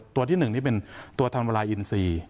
ตัวที่หนึ่งเป็นตัวทำลายอินซี